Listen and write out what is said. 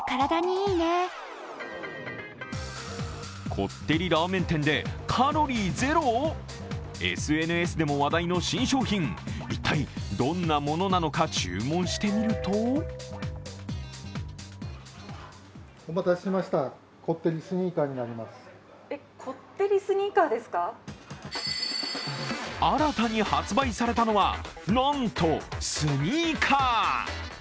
こってりラーメン店でカロリーゼロ？ＳＮＳでも話題の新商品、一体どんなものなのか注文してみると新たに発売されたのは、なんとスニーカー。